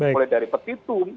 mulai dari petitum